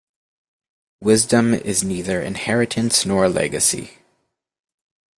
Wisdom is neither inheritance nor a legacy.